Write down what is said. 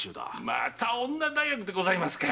また女大学でございますか。